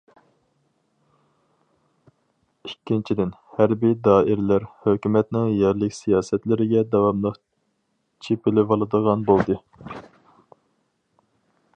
ئىككىنچىدىن ،ھەربىي دائىرىلەر ھۆكۈمەتنىڭ يەرلىك سىياسەتلىرىگە داۋاملىق چېپىلىۋالىدىغان بولدى.